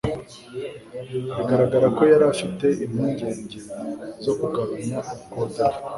Biragaragara ko yari afite impungenge zo kugabanya ubukode bwe